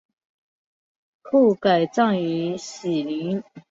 后改葬于禧陵。